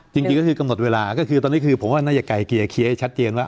จริงก็คือกำหนดเวลาก็คือตอนนี้คือผมว่านัยไก่เกียร์เขียนให้ชัดเจียงว่า